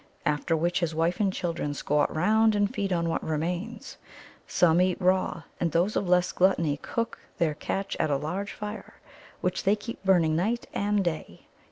After which his wife and children squat round and feed on what remains. Some eat raw, and those of less gluttony cook their catch at a large fire, which they keep burning night and day.